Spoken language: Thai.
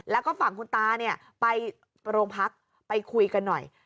แล้วก็ฝั่งคุณตาเนี่ยไปโรงพักไปคุยกันหน่อย